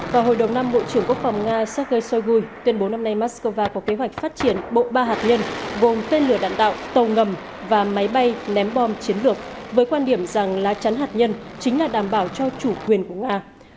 vào hồi đầu năm bộ trưởng quốc phòng nga sergei shoigui tuyên bố năm nay moscow có kế hoạch phát triển bộ ba hạt nhân gồm tên lửa đạn đạo tàu ngầm và máy bay ném bom chiến lược với quan điểm rằng lá chắn hạt nhân chính là đảm bảo cho chủ quyền của nga